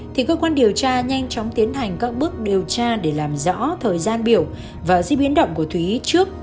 thì cơ quan điều tra nhanh chóng tiến hành các bước điều tra để làm rõ thời gian biểu và di biến động của thúy trước